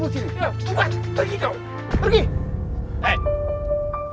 tunggu tunggu tergi kau